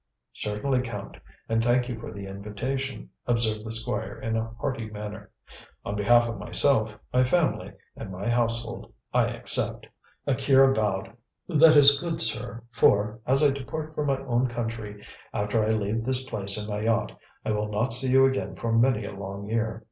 "Certainly, Count, and thank you for the invitation," observed the Squire in a hearty manner. "On behalf of myself, my family and my household, I accept." Akira bowed. "That is good, sir, for, as I depart for my own country, after I leave this place in my yacht, I will not see you again for many a long year.